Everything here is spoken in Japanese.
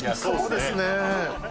そうですね